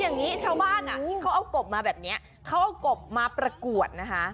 อย่างนี้ชาวบ้านที่เขาเอากบมาแบบนี้เขาเอากบมาประกวดนะคะ